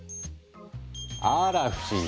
あら不思議。